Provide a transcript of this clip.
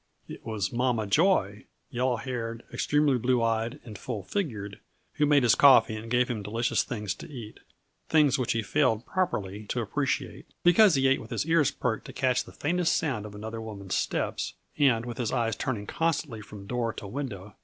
It was "Mama Joy," yellow haired, extremely blue eyed, and full figured, who made his coffee and gave him delicious things to eat things which he failed properly to appreciate, because he ate with his ears perked to catch the faintest sound of another woman's steps and with his eyes turning constantly from door to window.